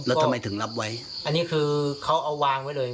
แล้วทำไมถึงรับไว้อันนี้คือเขาเอาวางไว้เลย